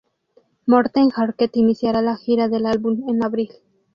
Morten Harket iniciará la gira del álbum en abril.